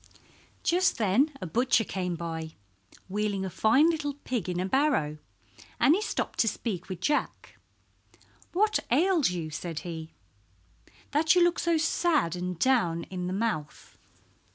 Just then a butcher came by, wheeling a fine little pig in a barrow, and he stopped to speak with Jack. "What ails you," said he, "that you look so sad and down in the mouth?"